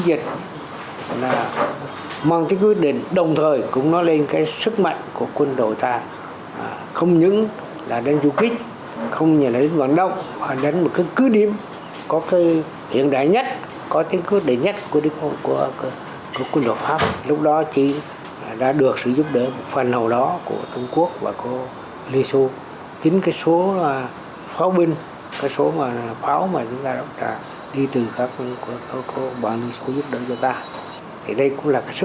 tính cái số pháo binh cái số pháo mà chúng ta đã đi từ các bản quốc giúp đỡ cho ta thì đây cũng là cái sức mạnh mà chúng ta đã đạt được